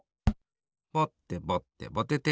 ぼってぼってぼてて！